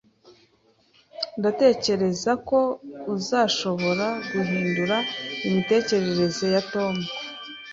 Ndatekereza ko uzashobora guhindura imitekerereze ya Tom